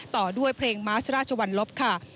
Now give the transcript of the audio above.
ต่อด้วยเพลงม้าสราชวรรลบค่ะ